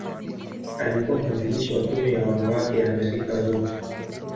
Alikuwa mwanzilishi wa Tume ya Wanawake ya Amerika Zote.